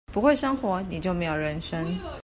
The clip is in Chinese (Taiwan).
不會生活，你就沒有人生